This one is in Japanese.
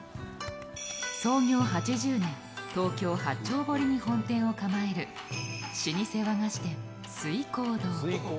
創業８０年、東京・八丁堀に本店を構える老舗和菓子店、翠江堂。